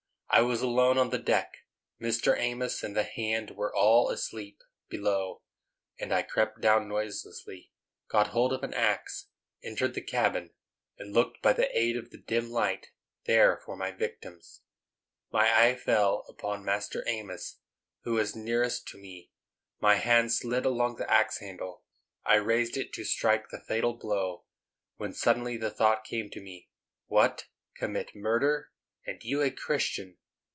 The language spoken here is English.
I was alone on the deck; Mr. Amos and the hands were all asleep below, and I crept down noiselessly, got hold of an axe, entered the cabin, and looking by the aid of the dim light there for my victims, my eye fell upon Master Amos, who was nearest to me; my hand slid along the axe handle, I raised it to strike the fatal blow,—when suddenly the thought came to me, "What! commit murder! and you a Christian?"